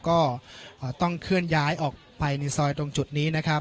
ก็ต้องเคลื่อนย้ายออกไปในซอยตรงจุดนี้นะครับ